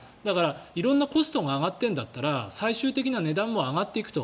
色んなコストが上がってるんだったら最終的な値段も上がっていくと。